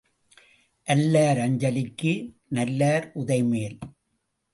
அல்லார் அஞ்சலிக்கு நல்லார் உதை மேல்.